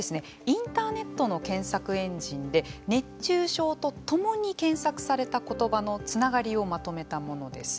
インターネットの検索エンジンで熱中症とともに検索された言葉のつながりをまとめたものです。